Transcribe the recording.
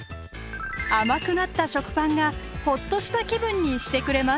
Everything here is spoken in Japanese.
甘くなった食パンがほっとした気分にしてくれます。